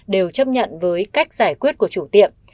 đều chấp nhận với cách giải quyết của chủ tiệm